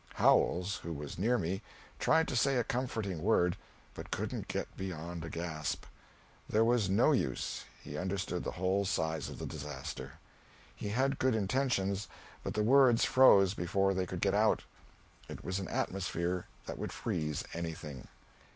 Howells, who was near me, tried to say a comforting word, but couldn't get beyond a gasp. There was no use he understood the whole size of the disaster. He had good intentions, but the words froze before they could get out. It was an atmosphere that would freeze anything.